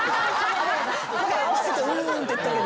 合わせてうんって言ったけど。